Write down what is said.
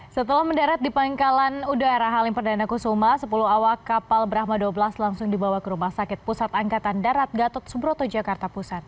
setelah mendarat di pangkalan udara halim perdana kusuma sepuluh awak kapal brahma dua belas langsung dibawa ke rumah sakit pusat angkatan darat gatot subroto jakarta pusat